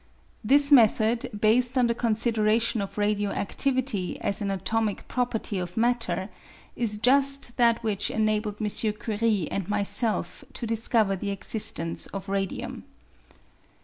This method, based on the con sideration of radio adivity as an atomic property of matter, is just that which enabled M. Curie and myself to discover the existence of radium.